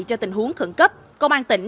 cho tình huống khẩn cấp công an tỉnh